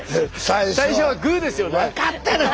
最初はグーですよね？